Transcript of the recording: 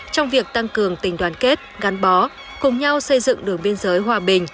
trong việc tăng cường tình đoàn kết gắn bó cùng nhau xây dựng đường biên giới hòa bình